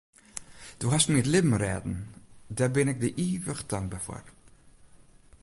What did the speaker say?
Do hast my it libben rêden, dêr bin ik dy ivich tankber foar.